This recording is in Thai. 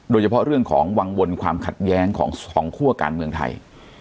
โดยเฉพาะเรื่องของวังวลความขัดแย้งของคั่วการเมืองไทย